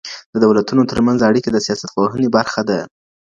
د دولتونو ترمنځ اړيکي د سياستپوهني برخه ده.